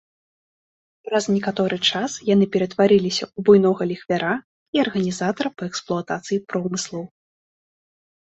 Праз некаторы час яны ператварыліся ў буйнога ліхвяра і арганізатара па эксплуатацыі промыслаў.